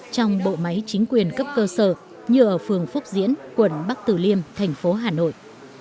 trong bộ máy chính quyền cấp cơ sở như ở phường phúc diễn quận bắc tử liêm thành phố hà nội